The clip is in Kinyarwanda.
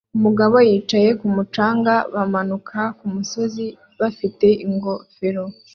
Abagabo yicaye kumu canga bamanuka kumusozi bafite ingofero